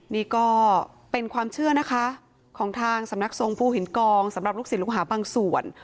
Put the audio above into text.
นี่ก็เป็นความเชื่อนะคะของทางสำนักทรงภูหินกองสำหรับลูกศิษย์ลูกหาบางส่วน